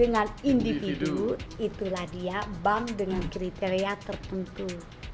dengan individu itulah dia bank dengan kriteria tertentu